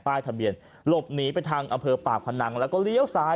ทะเบียนหลบหนีไปทางอำเภอปากพนังแล้วก็เลี้ยวซ้าย